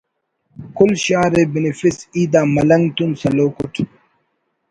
کل شار ءِ بنفیس ای دا ملنگ تون سلوک اٹ